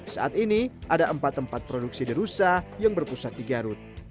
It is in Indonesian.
saat ini ada empat tempat produksi the rusa yang berpusat di garut